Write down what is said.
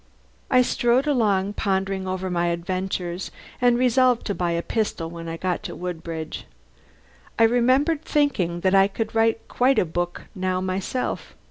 I strode along pondering over my adventures, and resolved to buy a pistol when I got to Woodbridge. I remember thinking that I could write quite a book now myself.